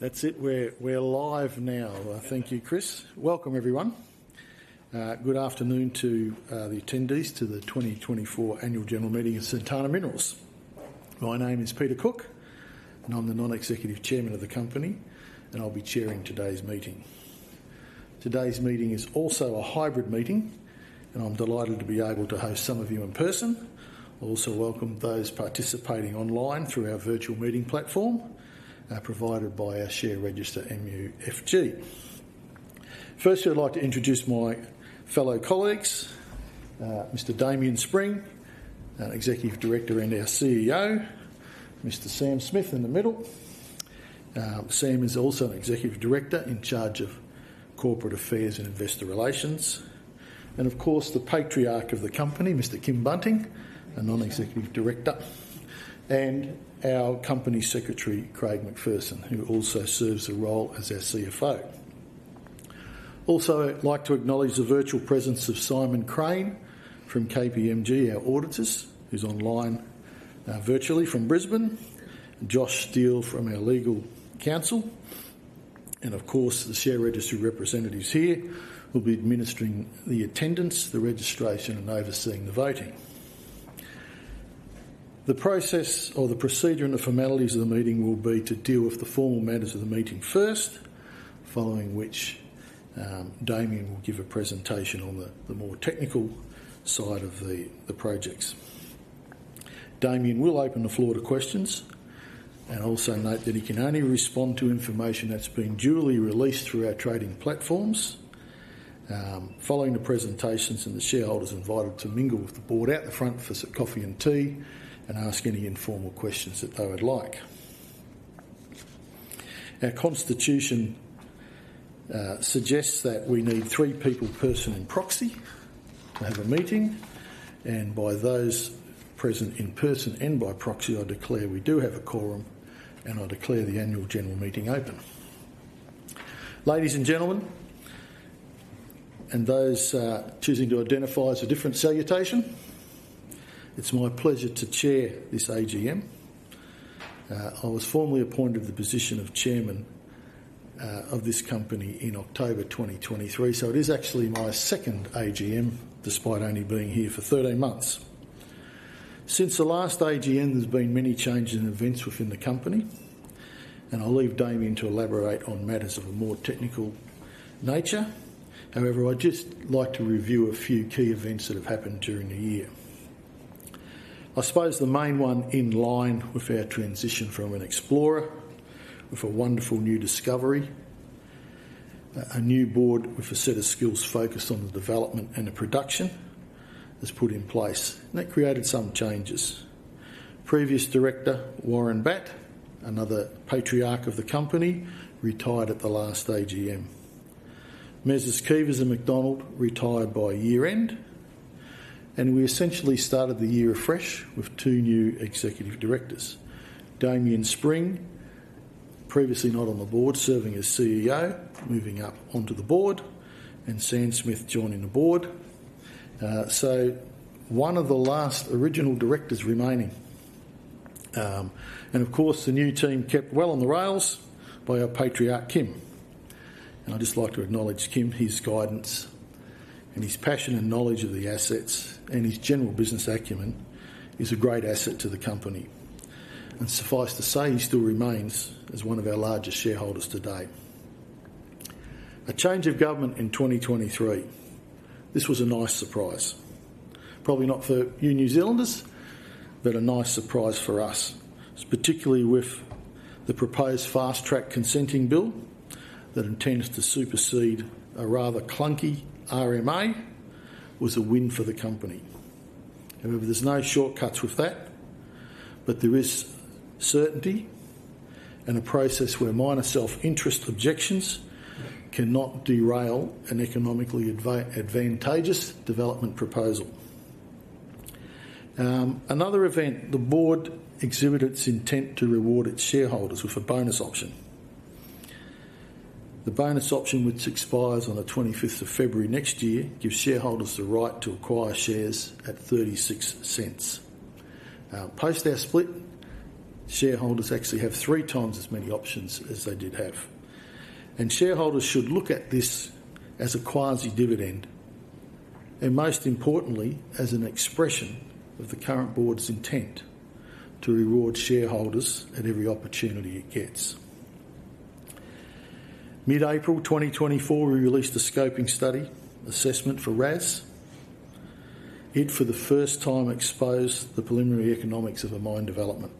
That's it. We're live now. Thank you, Chris. Welcome, everyone. Good afternoon to the attendees to the 2024 Annual General Meeting of Santana Minerals. My name is Peter Cook, and I'm the Non-Executive Chairman of the company, and I'll be chairing today's meeting. Today's meeting is also a hybrid meeting, and I'm delighted to be able to host some of you in person. I also welcome those participating online through our virtual meeting platform provided by our share register, MUFG. First, I'd like to introduce my fellow colleagues: Mr. Damian Spring, Executive Director and our CEO, Mr. Sam Smith in the middle. Sam is also an Executive Director in charge of Corporate Affairs and Investor Relations, and, of course, the patriarch of the company, Mr. Kim Bunting, a non-executive director, and our company secretary, Craig McPherson, who also serves a role as our CFO. Also, I'd like to acknowledge the virtual presence of Simon Crane from KPMG, our auditors, who's online virtually from Brisbane, Josh Steele from our legal counsel, and, of course, the share register representatives here who'll be administering the attendance, the registration, and overseeing the voting. The process, or the procedure and the formalities of the meeting, will be to deal with the formal matters of the meeting first, following which Damian will give a presentation on the more technical side of the projects. Damian will open the floor to questions and also note that he can only respond to information that's been duly released through our trading platforms. Following the presentations, the shareholders are invited to mingle with the board out the front for some coffee and tea and ask any informal questions that they would like. Our constitution suggests that we need three people, person and proxy, to have a meeting, and by those present in person and by proxy, I declare we do have a quorum, and I declare the Annual General Meeting open. Ladies and gentlemen, and those choosing to identify as a different salutation, it's my pleasure to chair this AGM. I was formally appointed to the position of Chairman of this company in October 2023, so it is actually my second AGM despite only being here for 13 months. Since the last AGM, there's been many changes in events within the company, and I'll leave Damian to elaborate on matters of a more technical nature. However, I'd just like to review a few key events that have happened during the year. I suppose the main one in line with our transition from an explorer with a wonderful new discovery, a new board with a set of skills focused on the development and the production that's put in place, and that created some changes. Previous director, Warren Batt, another patriarch of the company, retired at the last AGM. Mr. Keevers and McDonald retired by year-end, and we essentially started the year afresh with two new executive directors: Damian Spring, previously not on the board, serving as CEO, moving up onto the board, and Sam Smith joining the board. So one of the last original directors remaining. And, of course, the new team kept well on the rails by our patriarch, Kim. And I'd just like to acknowledge Kim. His guidance and his passion and knowledge of the assets and his general business acumen is a great asset to the company. Suffice to say, he still remains as one of our largest shareholders to date. A change of government in 2023. This was a nice surprise. Probably not for you New Zealanders, but a nice surprise for us, particularly with the proposed Fast-track Approvals Bill that intends to supersede a rather clunky RMA, was a win for the company. However, there's no shortcuts with that, but there is certainty and a process where minor self-interest objections cannot derail an economically advantageous development proposal. Another event, the board exhibited its intent to reward its shareholders with a bonus option. The bonus option, which expires on the 25th of February next year, gives shareholders the right to acquire shares at 0.36. Post our split, shareholders actually have three times as many options as they did have. And shareholders should look at this as a quasi-dividend and, most importantly, as an expression of the current board's intent to reward shareholders at every opportunity it gets. Mid-April 2024, we released a scoping study assessment for RAS. It, for the first time, exposed the preliminary economics of a mine development.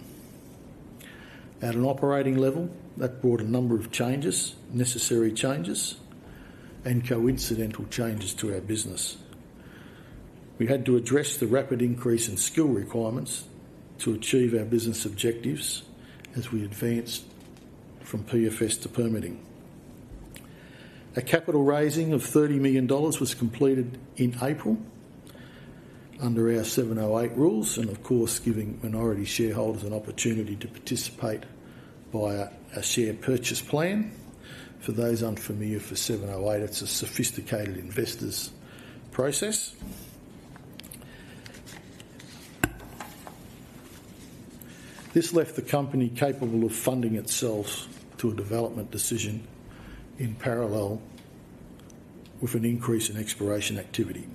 At an operating level, that brought a number of changes, necessary changes, and coincidental changes to our business. We had to address the rapid increase in skill requirements to achieve our business objectives as we advanced from PFS to permitting. A capital raising of 30 million dollars was completed in April under our 708 rules and, of course, giving minority shareholders an opportunity to participate by our share purchase plan. For those unfamiliar with 708, it's a sophisticated investors' process. This left the company capable of funding itself to a development decision in parallel with an increase in exploration activity.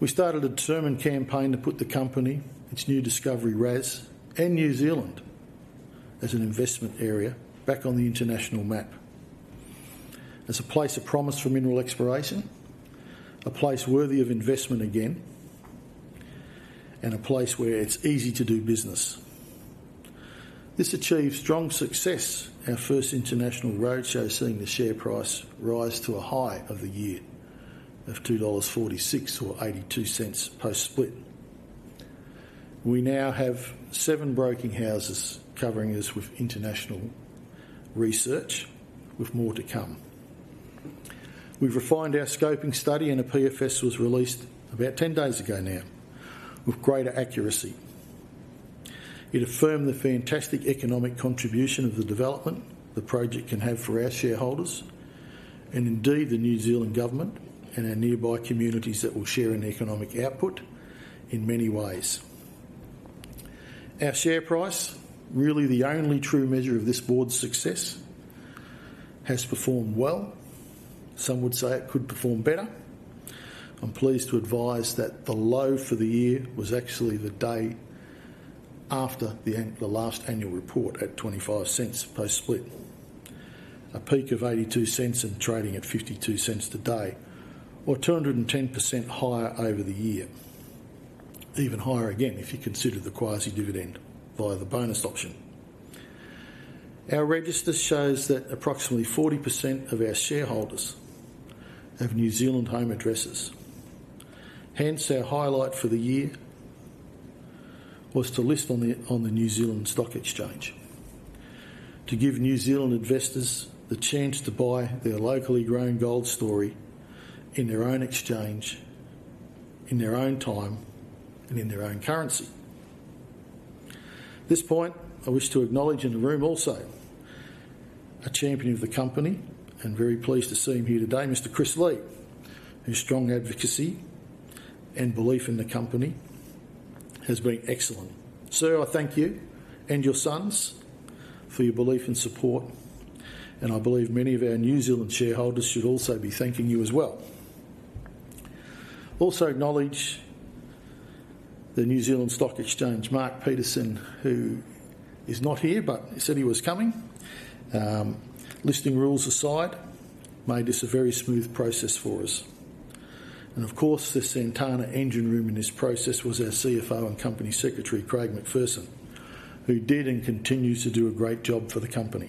We started a determined campaign to put the company, its new discovery RAS, and New Zealand as an investment area back on the international map. It's a place of promise for mineral exploration, a place worthy of investment again, and a place where it's easy to do business. This achieved strong success, our first international roadshow seeing the share price rise to a high of the year of 2.46 dollars or 0.82 post-split. We now have seven broking houses covering us with international research, with more to come. We've refined our scoping study, and a PFS was released about 10 days ago now with greater accuracy. It affirmed the fantastic economic contribution of the development the project can have for our shareholders and, indeed, the New Zealand government and our nearby communities that will share an economic output in many ways. Our share price, really the only true measure of this board's success, has performed well. Some would say it could perform better. I'm pleased to advise that the low for the year was actually the day after the last annual report at 0.25 post-split, a peak of 0.82 and trading at 0.52 today, or 210% higher over the year, even higher again if you consider the quasi-dividend via the bonus option. Our register shows that approximately 40% of our shareholders have New Zealand home addresses. Hence, our highlight for the year was to list on the New Zealand Stock Exchange to give New Zealand investors the chance to buy their locally grown gold story in their own exchange, in their own time, and in their own currency. At this point, I wish to acknowledge, in the room also, a champion of the company, and very pleased to see him here today, Mr. Chris Lee, whose strong advocacy and belief in the company has been excellent. Sir, I thank you and your sons for your belief and support, and I believe many of our New Zealand shareholders should also be thanking you as well. Also acknowledge the New Zealand Stock Exchange, Mark Peterson, who is not here, but he said he was coming. Listing rules aside made this a very smooth process for us. And, of course, the Santana engine room in this process was our CFO and Company Secretary, Craig McPherson, who did and continues to do a great job for the company.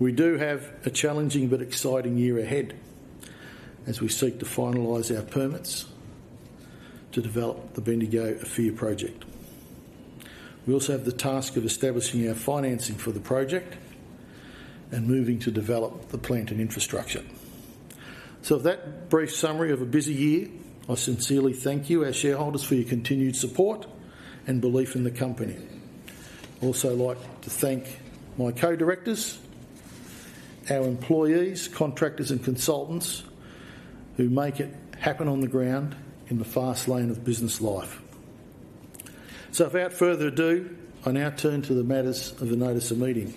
We do have a challenging but exciting year ahead as we seek to finalize our permits to develop the Bendigo-Ophir project. We also have the task of establishing our financing for the project and moving to develop the plant and infrastructure. So that brief summary of a busy year. I sincerely thank you, our shareholders, for your continued support and belief in the company. I'd also like to thank my co-directors, our employees, contractors, and consultants who make it happen on the ground in the fast lane of business life. So without further ado, I now turn to the matters of the notice of meeting,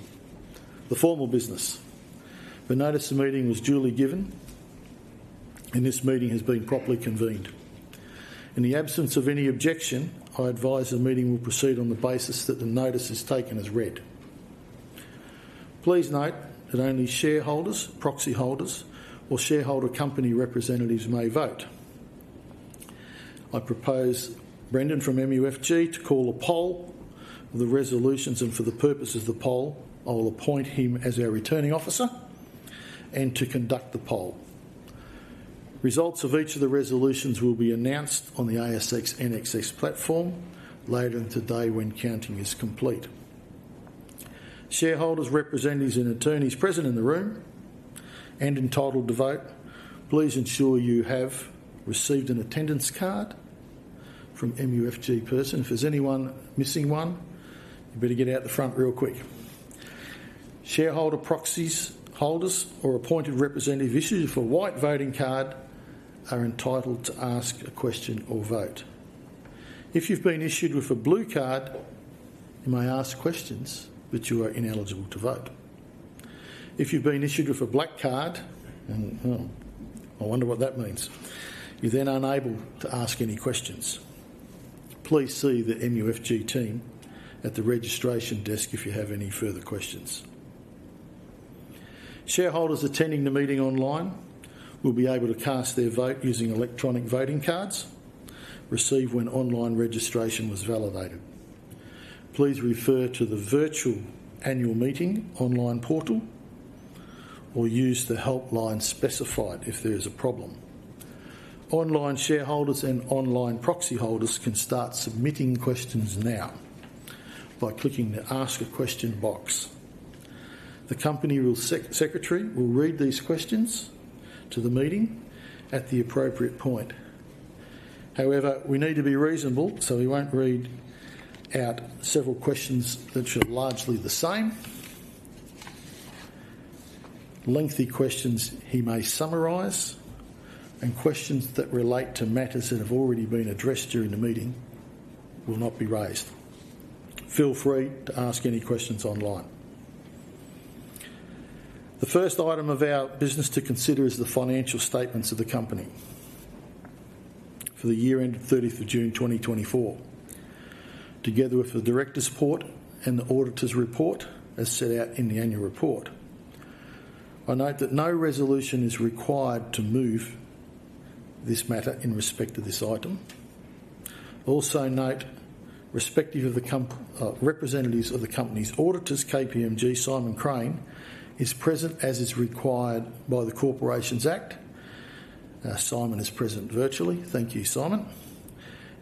the formal business. The notice of meeting was duly given, and this meeting has been properly convened. In the absence of any objection, I advise the meeting will proceed on the basis that the notice is taken as read. Please note that only shareholders, proxy holders, or shareholder company representatives may vote. I propose Brendan from MUFG to call a poll of the resolutions, and for the purpose of the poll, I'll appoint him as our returning officer and to conduct the poll. Results of each of the resolutions will be announced on the ASX/NZX platform later today when counting is complete. Shareholders, representatives, and attorneys present in the room and entitled to vote, please ensure you have received an attendance card from MUFG person. If there's anyone missing one, you better get out the front real quick. Shareholder proxy holders or appointed representatives issued with a white voting card are entitled to ask a question or vote. If you've been issued with a blue card, you may ask questions, but you are ineligible to vote. If you've been issued with a black card, well, I wonder what that means, you're then unable to ask any questions. Please see the MUFG team at the registration desk if you have any further questions. Shareholders attending the meeting online will be able to cast their vote using electronic voting cards received when online registration was validated. Please refer to the virtual annual meeting online portal or use the helpline specified if there is a problem. Online shareholders and online proxy holders can start submitting questions now by clicking the ask a question box. The company secretary will read these questions to the meeting at the appropriate point. However, we need to be reasonable, so he won't read out several questions that are largely the same. Lengthy questions he may summarise, and questions that relate to matters that have already been addressed during the meeting will not be raised. Feel free to ask any questions online. The first item of our business to consider is the financial statements of the company for the year end of 30th of June 2024, together with the director's report and the auditor's report as set out in the annual report. I note that no resolution is required to move this matter in respect of this item. Also note, in respect of the representatives of the company's auditors, KPMG, Simon Crane, is present as is required by the Corporations Act. Simon is present virtually. Thank you, Simon.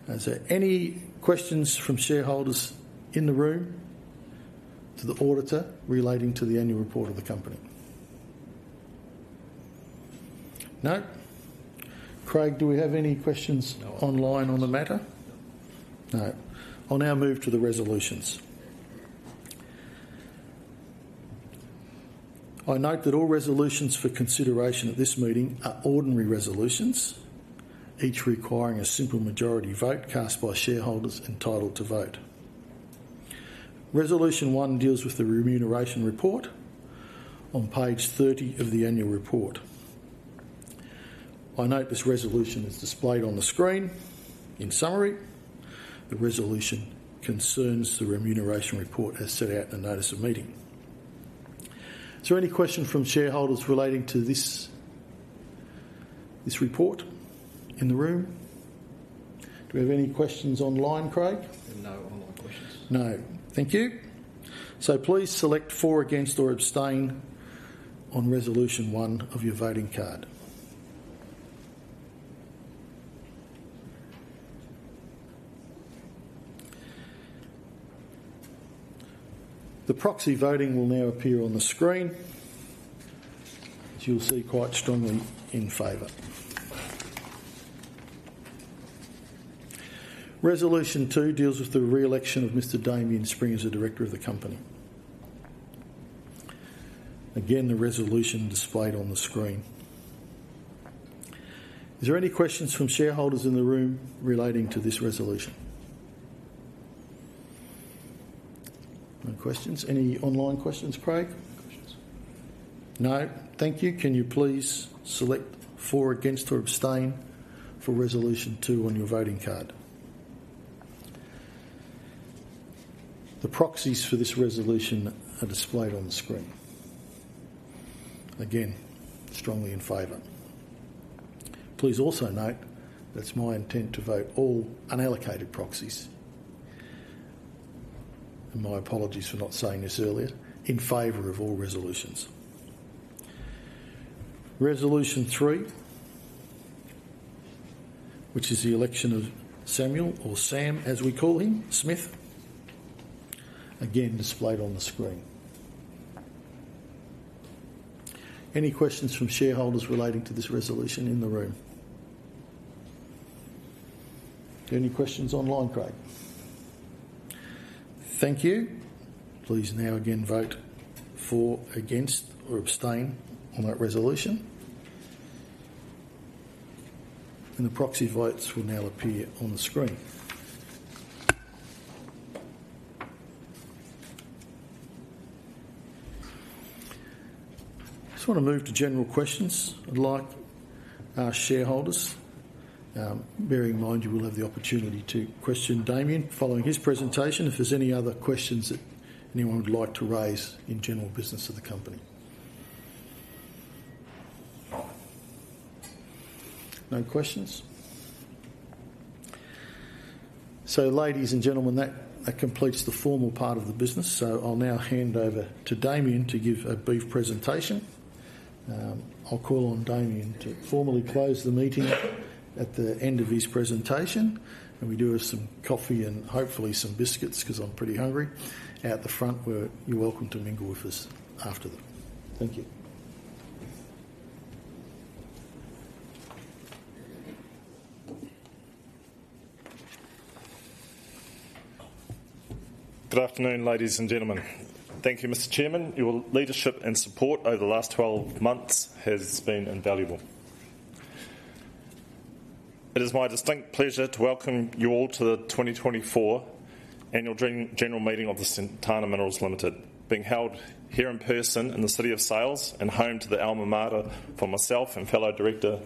Is there any questions from shareholders in the room to the auditor relating to the annual report of the company? No? Craig, do we have any questions online on the matter? No. I'll now move to the resolutions. I note that all resolutions for consideration at this meeting are ordinary resolutions, each requiring a simple majority vote cast by shareholders entitled to vote. Resolution one deals with the remuneration report on page 30 of the annual report. I note this resolution is displayed on the screen. In summary, the resolution concerns the remuneration report as set out in the notice of meeting. Is there any question from shareholders relating to this report in the room? Do we have any questions online, Craig? No. Only questions. No. Thank you. So please select for, against, or abstain on resolution one of your voting card. The proxy voting will now appear on the screen, as you'll see quite strongly in favour. Resolution two deals with the re-election of Mr. Damian Spring as the director of the company. Again, the resolution displayed on the screen. Is there any questions from shareholders in the room relating to this resolution? No questions. Any online questions, Craig? No questions. No. Thank you. Can you please select for, against, or abstain for resolution two on your voting card? The proxies for this resolution are displayed on the screen. Again, strongly in favour. Please also note that it's my intent to vote all unallocated proxies, and my apologies for not saying this earlier, in favour of all resolutions. Resolution three, which is the election of Samuel, or Sam as we call him, Smith, again displayed on the screen. Any questions from shareholders relating to this resolution in the room? Any questions online, Craig? Thank you. Please now again vote for, against, or abstain on that resolution, and the proxy votes will now appear on the screen. I just want to move to general questions. I'd like our shareholders, bearing in mind you will have the opportunity to question Damian following his presentation, if there's any other questions that anyone would like to raise in general business of the company. No questions? So, ladies and gentlemen, that completes the formal part of the business. So I'll now hand over to Damian to give a brief presentation. I'll call on Damian to formally close the meeting at the end of his presentation. And we do have some coffee and hopefully some biscuits because I'm pretty hungry out the front, where you're welcome to mingle with us after that. Thank you. Good afternoon, ladies and gentlemen. Thank you, Mr. Chairman. Your leadership and support over the last 12 months has been invaluable. It is my distinct pleasure to welcome you all to the 2024 Annual General Meeting of Santana Minerals Limited, being held here in person in the City of Sails and home to the alma mater for myself and fellow director,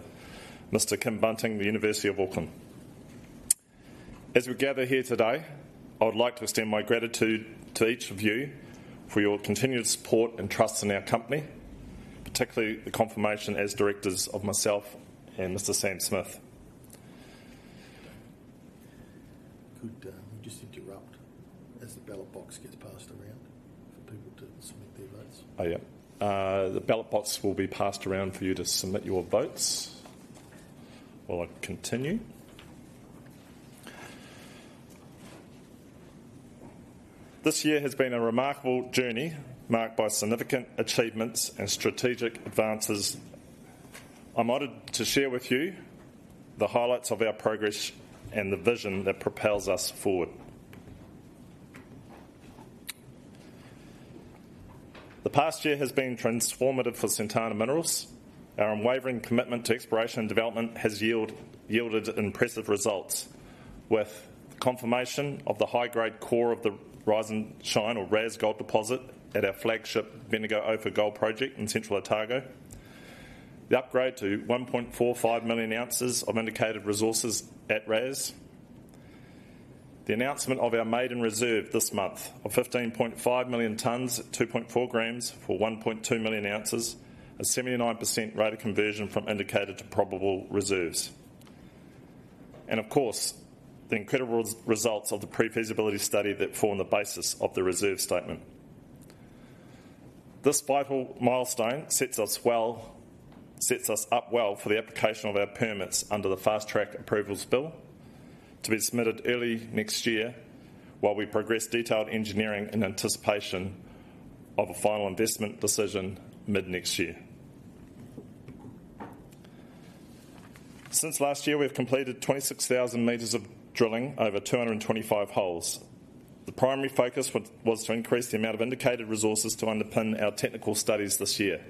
Mr. Kim Bunting, the University of Auckland. As we gather here today, I would like to extend my gratitude to each of you for your continued support and trust in our company, particularly the confirmation as directors of myself and Mr. Sam Smith. Could you just interrupt as the ballot box gets passed around for people to submit their votes? Oh, yeah. The ballot box will be passed around for you to submit your votes while I continue. This year has been a remarkable journey marked by significant achievements and strategic advances. I'm honored to share with you the highlights of our progress and the vision that propels us forward. The past year has been transformative for Santana Minerals. Our unwavering commitment to exploration and development has yielded impressive results, with confirmation of the high-grade core of the Rising Shine, or RAS, gold deposit at our flagship Bendigo-Ophir Gold Project in Central Otago, the upgrade to 1.45 million ounces of indicated resources at RAS, the announcement of our maiden reserve this month of 15.5 million tonnes at 2.4 grams for 1.2 million ounces, a 79% rate of conversion from indicated to probable reserves, and, of course, the incredible results of the pre-feasibility study that form the basis of the reserve statement. This vital milestone sets us up well for the application of our permits under the Fast-track Approvals Bill to be submitted early next year while we progress detailed engineering in anticipation of a final investment decision mid-next year. Since last year, we've completed 26,000 meters of drilling over 225 holes. The primary focus was to increase the amount of indicated resources to underpin our technical studies this year.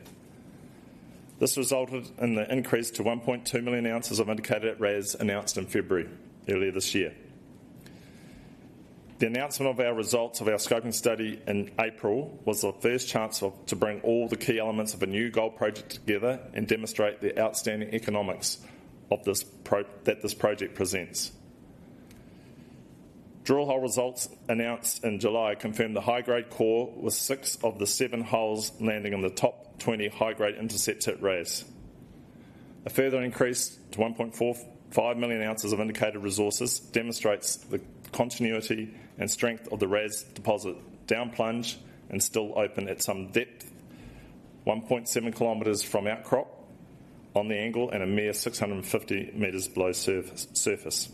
This resulted in the increase to 1.2 million ounces of indicated at RAS announced in February earlier this year. The announcement of our results of our scoping study in April was the first chance to bring all the key elements of a new gold project together and demonstrate the outstanding economics that this project presents. Drill hole results announced in July confirmed the high-grade core was six of the seven holes landing in the top 20 high-grade intercept at RAS. A further increase to 1.45 million ounces of indicated resources demonstrates the continuity and strength of the RAS deposit downplunge and still open at some depth, 1.7 kilometers from outcrop on the angle and a mere 650 meters below surface.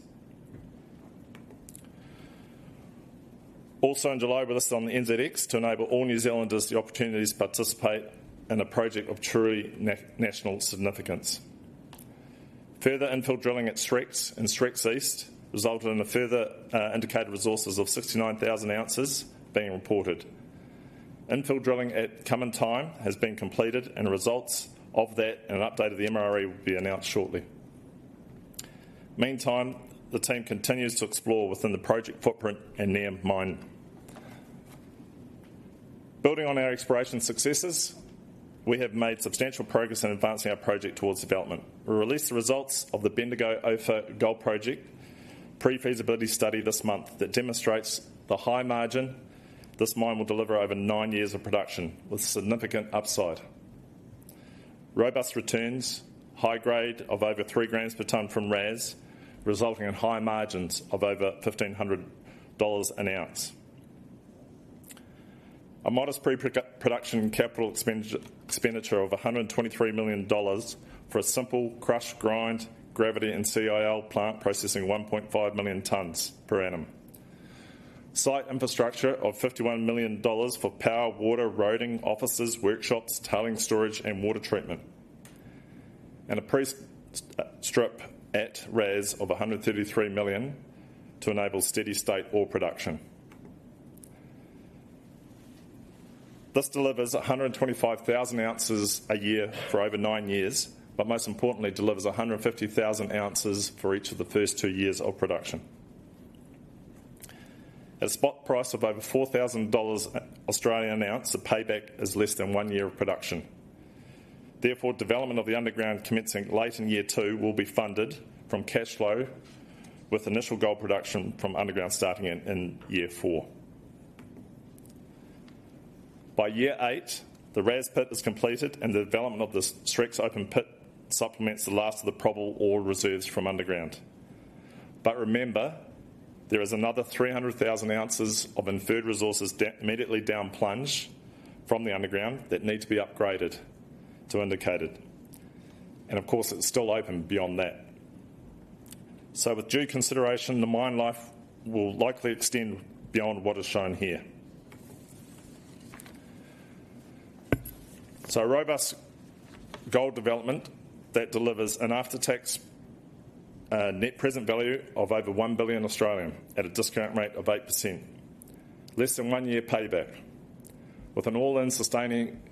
Also, in July, we listed on the NZX to enable all New Zealanders the opportunity to participate in a project of truly national significance. Further infill drilling at Shreks and Shreks East resulted in a further Indicated Resources of 69,000 ounces being reported. Infill drilling at Come-in-Time has been completed, and results of that and an update of the MRE will be announced shortly. Meantime, the team continues to explore within the project footprint and near mine. Building on our exploration successes, we have made substantial progress in advancing our project towards development. We released the results of the Bendigo-Ophir Gold Project pre-feasibility study this month that demonstrates the high margin this mine will deliver over nine years of production with significant upside. Robust returns, high grade of over three grams per tonne from RAS, resulting in high margins of over 1,500 dollars an ounce. A modest pre-production capital expenditure of 123 million dollars for a simple crush, grind, gravity, and CIL plant processing 1.5 million tons per annum. Site infrastructure of 51 million dollars for power, water, roading, offices, workshops, tailings storage, and water treatment, and a pre-strip at RAS of 133 million to enable steady state ore production. This delivers 125,000 ounces a year for over nine years, but most importantly, delivers 150,000 ounces for each of the first two years of production. At a spot price of over 4,000 Australian dollars an ounce, the payback is less than one year of production. Therefore, development of the underground commencing late in year two will be funded from cash flow with initial gold production from underground starting in year four. By year eight, the RAS pit is completed, and the development of the Shreks Open Pit supplements the last of the probable ore reserves from underground. But remember, there is another 300,000 ounces of inferred resources immediately downplunge from the underground that need to be upgraded to indicated. And of course, it's still open beyond that. So with due consideration, the mine life will likely extend beyond what is shown here. So robust gold development that delivers an after-tax net present value of over 1 billion at a discount rate of 8%, less than one year payback, with an all-in sustaining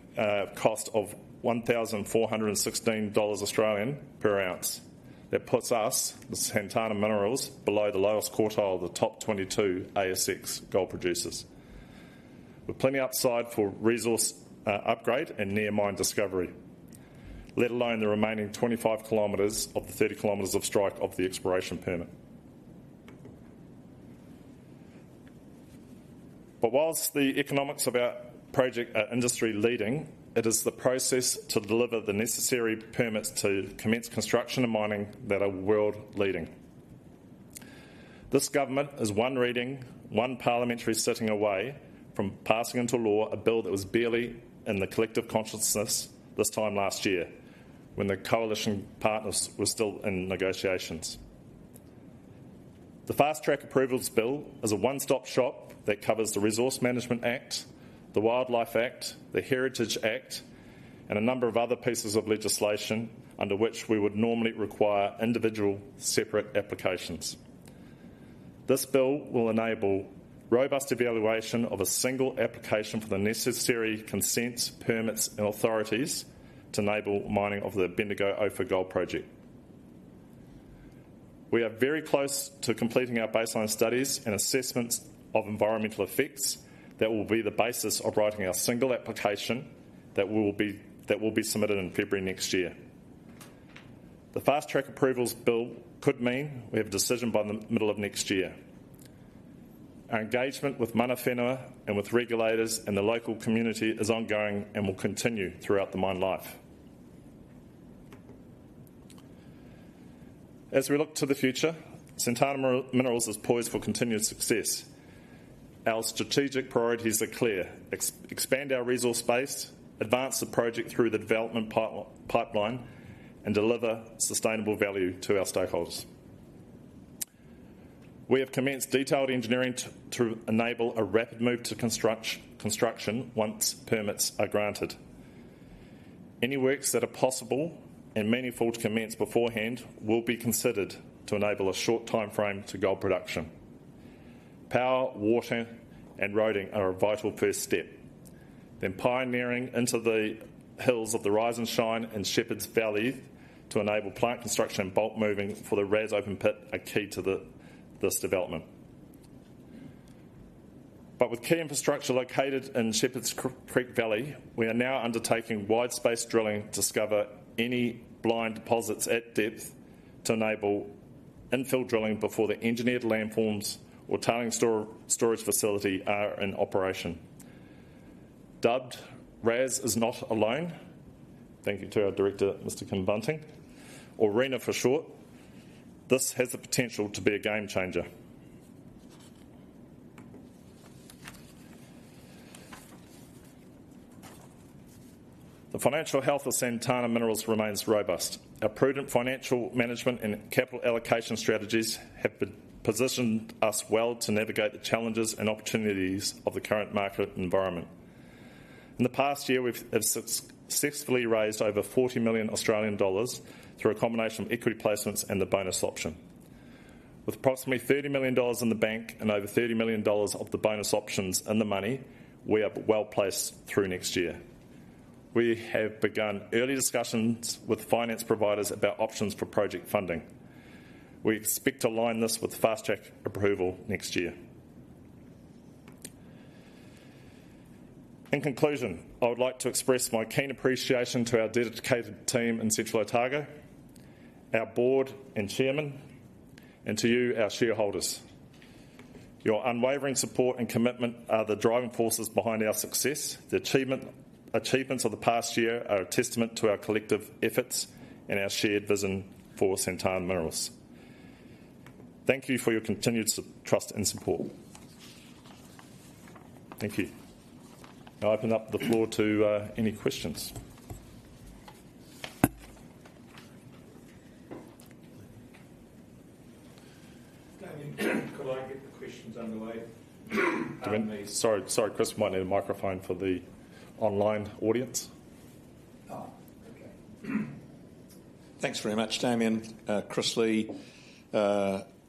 cost of 1,416 Australian dollars per ounce that puts us, the Santana Minerals, below the lowest quartile of the top 22 ASX gold producers, with plenty of upside for resource upgrade and near mine discovery, let alone the remaining 25 kilometers of the 30 kilometers of strike of the exploration permit. But while the economics of our project are industry-leading, it is the process to deliver the necessary permits to commence construction and mining that are world-leading. This government is one reading, one parliamentary sitting away from passing into law a bill that was barely in the collective consciousness this time last year when the coalition partners were still in negotiations. The Fast-track Approvals Bill is a one-stop shop that covers the Resource Management Act, the Wildlife Act, the Heritage Act, and a number of other pieces of legislation under which we would normally require individual separate applications. This bill will enable robust evaluation of a single application for the necessary consents, permits, and authorities to enable mining of the Bendigo-Ophir Gold Project. We are very close to completing our baseline studies and assessments of environmental effects that will be the basis of writing our single application that will be submitted in February next year. The Fast-track Approvals Bill could mean we have a decision by the middle of next year. Our engagement with mana whenua and with regulators and the local community is ongoing and will continue throughout the mine life. As we look to the future, Santana Minerals is poised for continued success. Our strategic priorities are clear: expand our resource base, advance the project through the development pipeline, and deliver sustainable value to our stakeholders. We have commenced detailed engineering to enable a rapid move to construction once permits are granted. Any works that are possible and meaningful to commence beforehand will be considered to enable a short timeframe to gold production. Power, water, and roading are a vital first step. Then pioneering into the hills of the Rising Shine and Shepherds Creek to enable plant construction and bolt moving for the RAS Open Pit are key to this development. But with key infrastructure located in Shepherds Creek Valley, we are now undertaking wide-space drilling to discover any blind deposits at depth to enable infill drilling before the engineered landforms or tailings storage facility are in operation. Dubbed RAS is not alone. Thank you to our director, Mr. Kim Bunting, or RINA for short. This has the potential to be a game changer. The financial health of Santana Minerals remains robust. Our prudent financial management and capital allocation strategies have positioned us well to navigate the challenges and opportunities of the current market environment. In the past year, we have successfully raised over 40 million Australian dollars through a combination of equity placements and the bonus option. With approximately 30 million in the bank and over 30 million of the bonus options in the money, we are well placed through next year. We have begun early discussions with finance providers about options for project funding. We expect to align this with Fast Track Approval next year. In conclusion, I would like to express my keen appreciation to our dedicated team in Central Otago, our board and chairman, and to you, our shareholders. Your unwavering support and commitment are the driving forces behind our success. The achievements of the past year are a testament to our collective efforts and our shared vision for Santana Minerals. Thank you for your continued trust and support. Thank you. I'll open up the floor to any questions. Damian, could I get the questions underway? Sorry, Chris might need a microphone for the online audience. Oh, okay. Thanks very much, Damian. Chris Lee.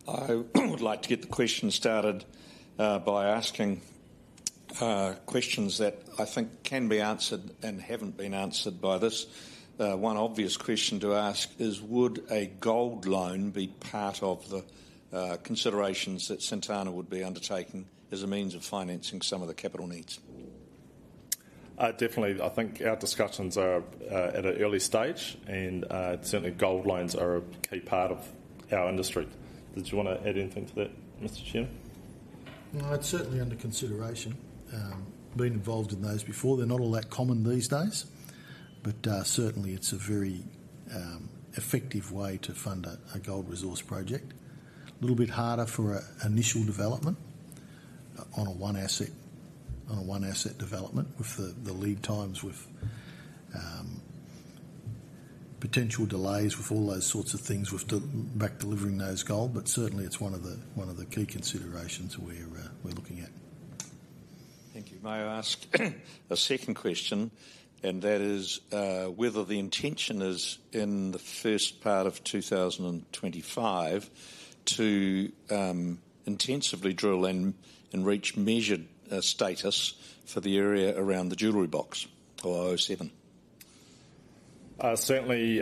I would like to get the questions started by asking questions that I think can be answered and haven't been answered by this. One obvious question to ask is, would a gold loan be part of the considerations that Santana would be undertaking as a means of financing some of the capital needs? Definitely. I think our discussions are at an early stage, and certainly gold loans are a key part of our industry. Did you want to add anything to that, Mr. Chairman? No, it's certainly under consideration. Been involved in those before. They're not all that common these days, but certainly it's a very effective way to fund a gold resource project. A little bit harder for initial development on a one-asset development with the lead times, with potential delays, with all those sorts of things with back delivering those gold. But certainly, it's one of the key considerations we're looking at. Thank you. May I ask a second question? And that is whether the intention is in the first part of 2025 to intensively drill and reach measured status for the area around the Jewellery Box or O7? Certainly,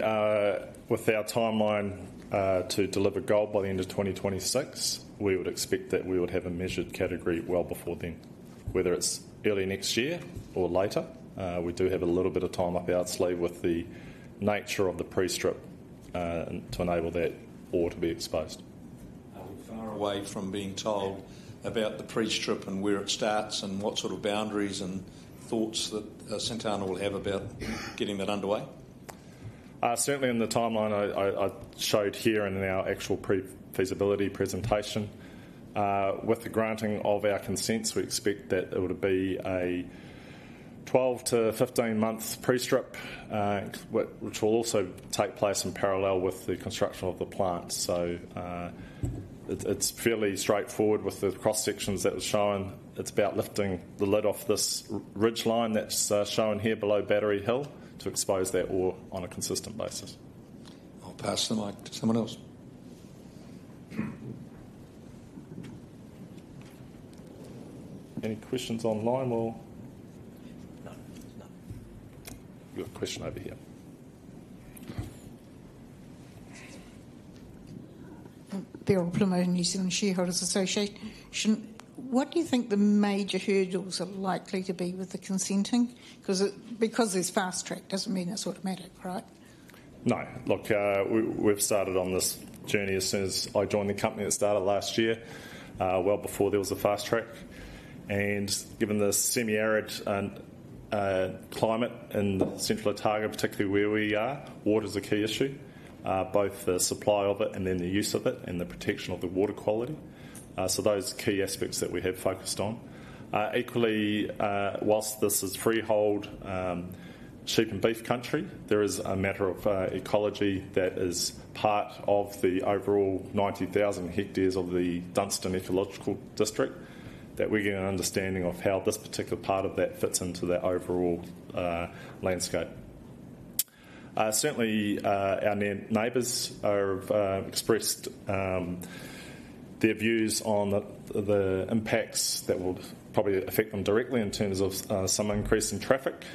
with our timeline to deliver gold by the end of 2026, we would expect that we would have a measured category well before then, whether it's early next year or later. We do have a little bit of time up our sleeve with the nature of the pre-strip to enable that ore to be exposed. Are we far away from being told about the pre-strip and where it starts and what sort of boundaries and thoughts that Santana will have about getting that underway? Certainly, in the timeline I showed here in our actual pre-feasibility presentation, with the granting of our consents, we expect that it would be a 12-to-15-month pre-strip, which will also take place in parallel with the construction of the plant. So it's fairly straightforward with the cross-sections that were shown. It's about lifting the lid off this ridge line that's shown here below Battery Hill to expose that ore on a consistent basis. I'll pass the mic to someone else. Any questions online? No. You've got a question over here. Chris Lee, New Zealand Shareholders Association. What do you think the major hurdles are likely to be with the consenting? Because the Fast Track doesn't mean it's automatic, right? No. Look, we've started on this journey as soon as I joined the company. It started last year, well before there was a fast-track. And given the semi-arid climate in Central Otago, particularly where we are, water is a key issue, both the supply of it and then the use of it and the protection of the water quality. So those are key aspects that we have focused on. Equally, while this is freehold sheep and beef country, there is a matter of ecology that is part of the overall 90,000 hectares of the Dunstan Ecological District that we're getting an understanding of how this particular part of that fits into the overall landscape. Certainly, our neighbours have expressed their views on the impacts that will probably affect them directly in terms of some increase in traffic,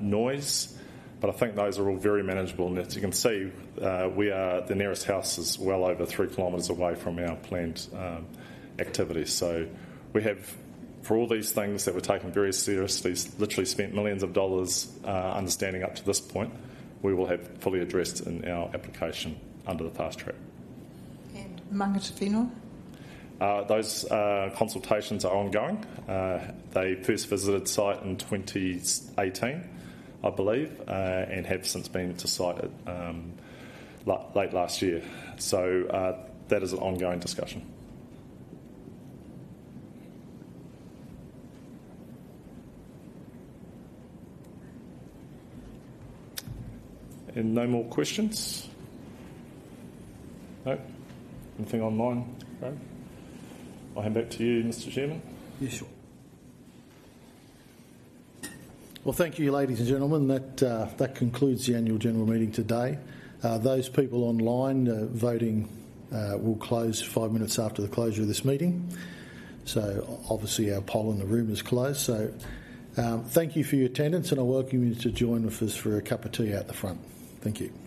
noise. But I think those are all very manageable. As you can see, the nearest house is well over three kilometers away from our planned activity. We have, for all these things that we're taking very seriously, literally spent millions of dollars understanding up to this point. We will have fully addressed in our application under the Fast-track. And manga te pino? Those consultations are ongoing. They first visited site in 2018, I believe, and have since been to site late last year. So that is an ongoing discussion. And no more questions? No? Anything online? Great. I'll hand back to you, Mr. Chairman. Yes, sure. Well, thank you, ladies and gentlemen. That concludes the Annual General Meeting today. Those people online, voting will close five minutes after the closure of this meeting. So obviously, our poll in the room is closed. So thank you for your attendance, and I welcome you to join with us for a cup of tea out the front. Thank you.